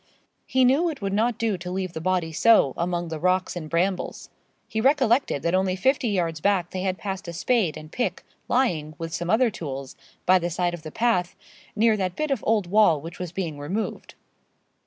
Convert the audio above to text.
He knew it would not do to leave the body so, among the rocks and brambles. He recollected that only fifty yards back they had passed a spade and pick, lying, with some other tools, by the side of the path, near that bit of old wall which was being removed.